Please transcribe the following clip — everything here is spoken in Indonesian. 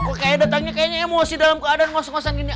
kok kayaknya datangnya emosi dalam keadaan ngos ngosan gini